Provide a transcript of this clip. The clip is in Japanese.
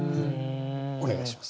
お願いします。